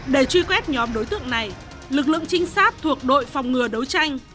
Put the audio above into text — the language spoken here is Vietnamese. để truy quét nhóm đối tượng này lực lượng trinh sát thuộc đội phòng ngừa đấu tranh